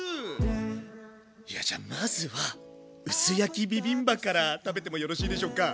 いやじゃまずは薄焼きビビンバから食べてもよろしいでしょうか？